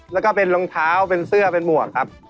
แล้วก็เป็นรองเท้าเป็นเสื้อเป็นหมวกครับ